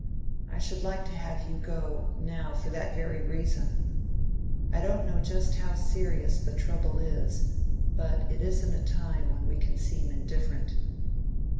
I should like to have you go, now, for that very reason. I don't know just how serious the trouble is; but it isn't a time when we can seem indifferent."